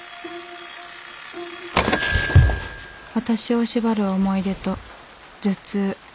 私を縛る思い出と頭痛。